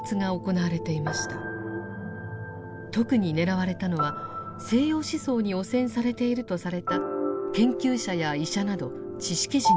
特に狙われたのは西洋思想に汚染されているとされた研究者や医者など知識人でした。